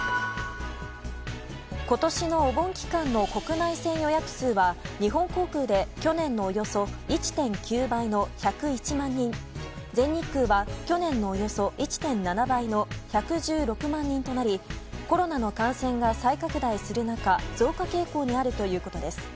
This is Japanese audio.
今年のお盆期間の国内線予約数は日本航空で去年のおよそ１．９倍の１０１万人全日空は去年のおよそ１．７倍のおよそ１１６万人となりコロナの感染が再拡大する中増加傾向にあるということです。